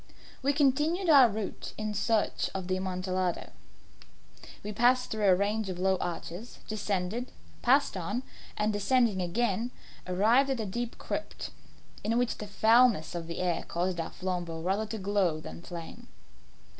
We continued our route in search of the Amontillado. We passed through a range of low arches, descended, passed on, and descending again, arrived at a deep crypt, in which the foulness of the air caused our flambeaux rather to glow than flame.